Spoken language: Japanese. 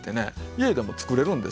家でも作れるんですよ。